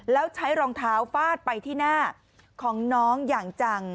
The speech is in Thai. แล้วใช้รองเท้าฟาดไปที่หน้าของน้องอย่างจัง